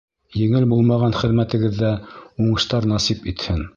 — Еңел булмаған хеҙмәтегеҙҙә уңыштар насип итһен!